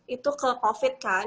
itu ke covid kan